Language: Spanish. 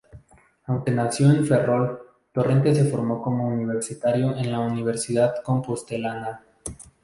Aunque nació en Ferrol, Torrente se formó como universitario en la universidad compostelana.